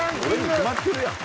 俺に決まってるやん。